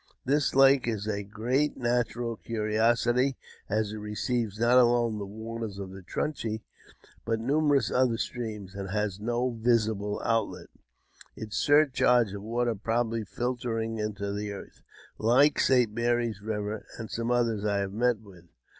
This lake is a great natural curiosity, as it receives not alone the waters of the Truchy, but numerous other streams, and has no visible outlet ; its surcharge of water probably filtering into the earth, like St. Mary's River, and some others I have met with.